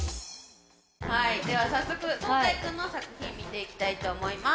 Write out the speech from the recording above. はいでは早速壮大くんの作品見ていきたいと思います。